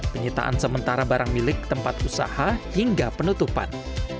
penyitaan sementara barang milik tempat usaha hingga penutupan